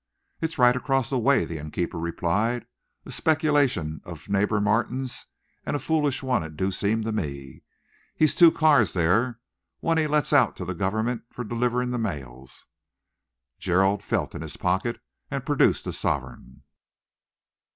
"It's right across the way," the innkeeper replied, "a speculation of Neighbour Martin's, and a foolish one it do seem to me. He's two cars there, and one he lets to the Government for delivering the mails." Gerald felt in his pocket and produced a sovereign.